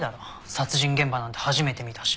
殺人現場なんて初めて見たし。